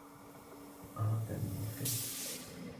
أرادَ منّي الكذب.